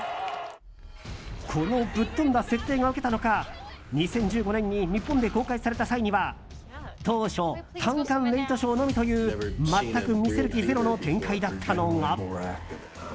このぶっ飛んだ設定がウケたのか２０１５年に日本で公開された際には当初単館レイトショーのみという全く見せる気ゼロの展開だったのが。